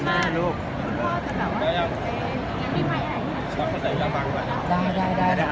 ก็อย่างแรกคือเราใช้ใช้จริงตั้งแต่แรกเกิดเลย